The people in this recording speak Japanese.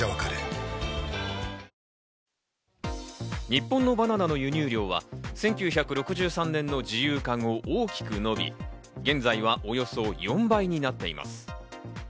日本のバナナの輸入量は１９６３年の自由化後、大きく伸び、現在はおよそ４倍になっています。